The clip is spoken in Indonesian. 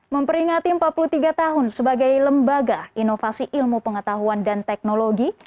memperingati empat puluh tiga tahun sebagai lembaga inovasi ilmu pengetahuan dan teknologi